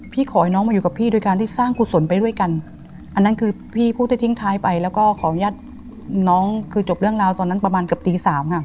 ขอให้น้องมาอยู่กับพี่โดยการที่สร้างกุศลไปด้วยกันอันนั้นคือพี่พูดได้ทิ้งท้ายไปแล้วก็ขออนุญาตน้องคือจบเรื่องราวตอนนั้นประมาณเกือบตีสามค่ะ